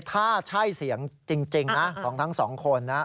ถ้าใช่เสียงจริงนะของทั้งสองคนนะ